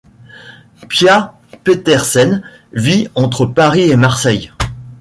Pia Petersen vit entre Paris et Marseille.